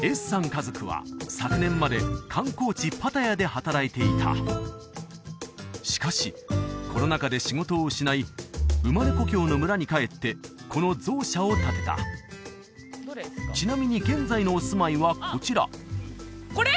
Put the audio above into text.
家族は昨年まで観光地パタヤで働いていたしかしコロナ禍で仕事を失い生まれ故郷の村に帰ってこのゾウ舎を建てたちなみに現在のお住まいはこちらこれ？